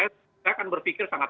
saya akan berpikir sangat